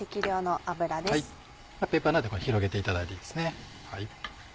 ペーパーなどで広げていただいていいですね。